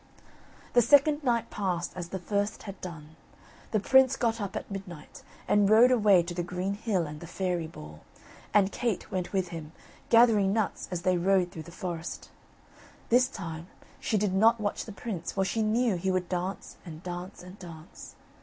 The second night passed as the first had done. The prince got up at midnight and rode away to the green hill and the fairy ball, and Kate went with him, gathering nuts as they rode through the forest. This time she did not watch the prince, for she knew he would dance and dance, and dance.